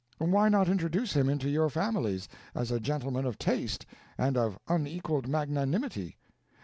why not introduce him into your families, as a gentleman of taste and of unequaled magnanimity?